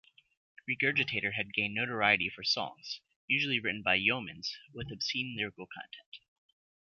Regurgitator had gained notoriety for songs, usually written by Yeomans, with obscene lyrical content.